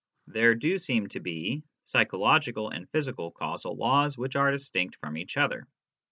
There do seem to be psychological and physical causal laws which are distinct from each other.